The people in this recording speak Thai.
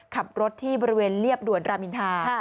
ขับรถที่บริเวณเรียบด่วนรามอินทา